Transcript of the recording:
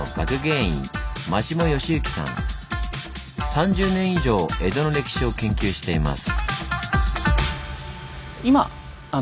３０年以上江戸の歴史を研究しています。